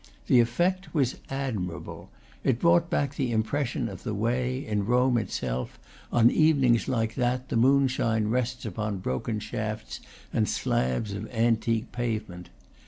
The effect was admirable; it brought back the impression of the way, in Rome itself, on evenings like that, the moonshine rests upon broken shafts and slabs of an tique pavement.